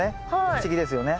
不思議ですよね。